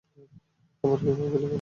আবার কীভাবে গুলি করব?